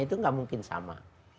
itu gak mungkin sama